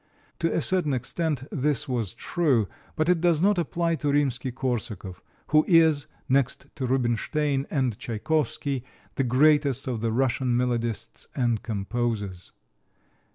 To a certain extent this was true, but it does not apply to Rimsky Korsakov, who is, next to Rubinstein and Tchaikovsky, the greatest of the Russian melodists and composers.